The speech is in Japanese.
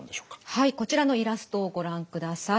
はいこちらのイラストをご覧ください。